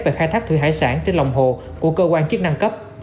về khai thác thủy sản trái phép trên lòng hồ của cơ quan chức năng cấp